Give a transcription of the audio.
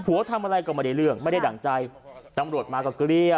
ทำอะไรก็ไม่ได้เรื่องไม่ได้ดั่งใจตำรวจมาก็เกลี้ย